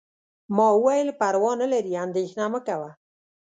ما وویل: پروا نه لري، اندیښنه مه کوه.